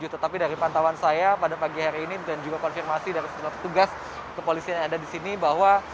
tetapi dari pantauan saya pada pagi hari ini dan juga konfirmasi dari sejumlah petugas kepolisian yang ada di sini bahwa